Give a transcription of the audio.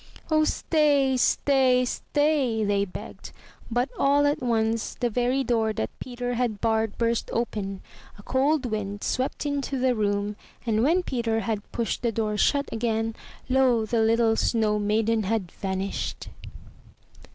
'' *'0h, stay, stay, stay!'' they begged, but all at once the very door that Peter had barred burst open. A cold wind swept into the room and when Peter had pushed the door shut again, lo! the little snow maiden had vanished